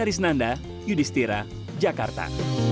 iyari senanda yudhistira jakarta